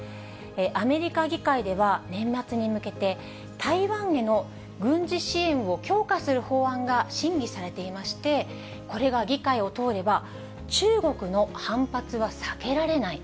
アメリカ議会では、年末に向けて、台湾への軍事支援を強化する法案が審議されていまして、これが議会を通れば、中国の反発は避けられない。